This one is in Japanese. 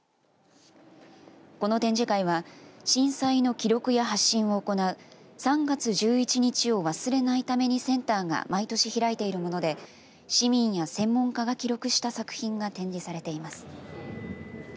この展示会は震災の記録や発信を行う３がつ１１にちをわすれないためにセンターが毎年開いているもので市民や専門家が記録した作品が展示されています。